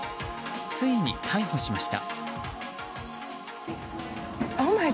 ついに逮捕しました。